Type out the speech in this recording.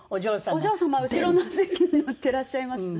お嬢様後ろの席に乗ってらっしゃいました。